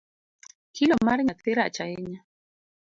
Kilo mar nyathi rach ahinya.